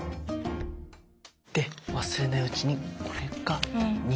で忘れないうちにこれが２。